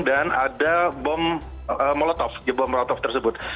dan ada bom molotov tersebut